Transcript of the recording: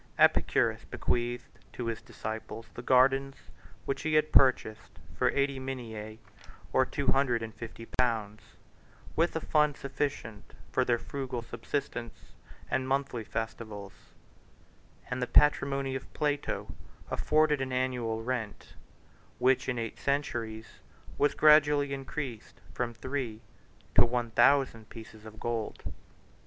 Epicurus bequeathed to his disciples the gardens which he had purchased for eighty minae or two hundred and fifty pounds, with a fund sufficient for their frugal subsistence and monthly festivals; 146 and the patrimony of Plato afforded an annual rent, which, in eight centuries, was gradually increased from three to one thousand pieces of gold.